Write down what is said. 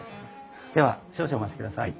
では少々お待ちください。